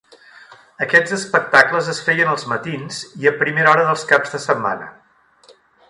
Aquests espectacles es feien als matins i a primera hora dels caps de setmana.